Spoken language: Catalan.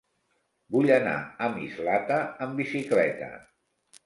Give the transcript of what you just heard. Vull anar a Mislata amb bicicleta.